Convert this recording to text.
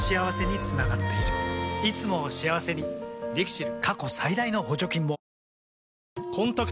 いつもを幸せにＬＩＸＩＬ。